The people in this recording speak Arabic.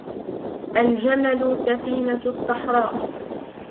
الجمل سفينة الصحراء